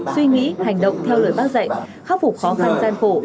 suy nghĩ hành động theo lời bác dạy khắc phục khó khăn gian khổ